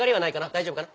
大丈夫かな？